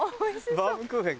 バウムクーヘン